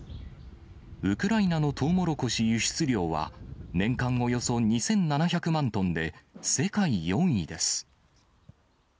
ウクライナのトウモロコシ輸出量は年間およそ２７００万トンで、世界４位です。